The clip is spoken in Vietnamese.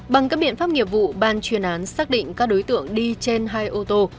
bằng các biện pháp nghiệp vụ ban chuyên án xác định các đối tượng đi trên hai ô tô